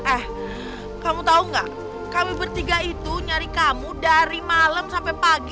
eh kamu tau gak kami bertiga itu nyari kamu dari malam sampai pagi